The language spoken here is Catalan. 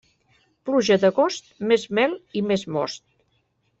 Pluja d'agost, més mel i més most.